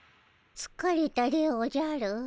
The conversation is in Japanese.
つかれたでおじゃる。